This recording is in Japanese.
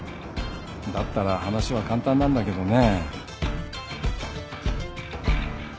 だったら話は簡単なんだけどね。